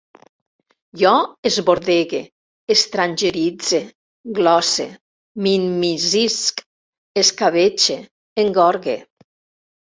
Jo esbordegue, estrangeritze, glosse, m'immiscisc, escabetxe, engorgue